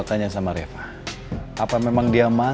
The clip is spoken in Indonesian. kalau dia mau belajar di sana dia harus belajar di sana